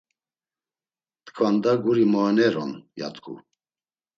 “T̆ǩvanda guri mooneron.” ya t̆ǩu.